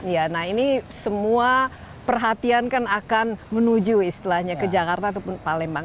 ya nah ini semua perhatian kan akan menuju istilahnya ke jakarta ataupun palembang